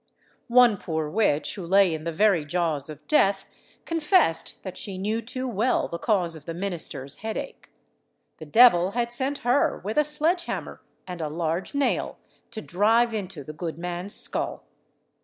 One poor witch, who lay in the very jaws of death, confessed that she knew too well the cause of the minister's headache. The devil had sent her with a sledge hammer and a large nail to drive into the good man's skull.